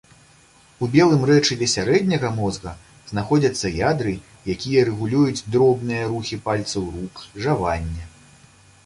У белым рэчыве сярэдняга мозга знаходзяцца ядры, якія рэгулююць дробныя рухі пальцаў рук, жаванне.